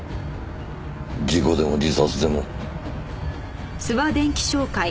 事故でも自殺でも。